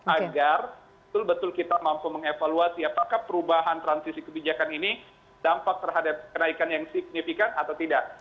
agar betul betul kita mampu mengevaluasi apakah perubahan transisi kebijakan ini dampak terhadap kenaikan yang signifikan atau tidak